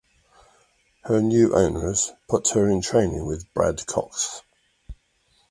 Her new owners put her into training with Brad Cox.